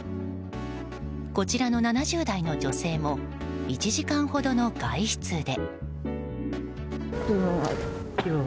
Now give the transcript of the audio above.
こちらの７０代の女性も１時間ほどの外出で。